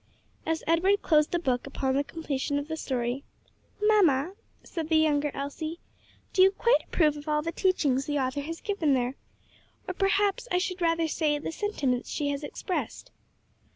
As Edward closed the book upon the completion of the story, "Mamma," said the younger Elsie, "do you quite approve of all the teachings the author has given there? or perhaps I should rather say the sentiments she has expressed."